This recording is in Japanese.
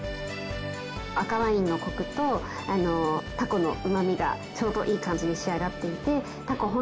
赤ワインのコクとタコのうまみがちょうどいい感じに仕上がっていてタコ